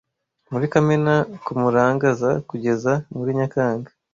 muri kamena kumurangaza kugeza muri nyakanga